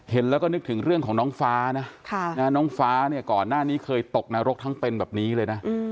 เห็นแล้วก็นึกถึงเรื่องของน้องฟ้านะน้องฟ้าเนี่ยก่อนหน้านี้เคยตกนรกทั้งเป็นแบบนี้เลยนะ